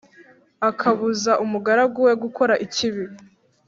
akabuza umugaragu we gukora ikibi.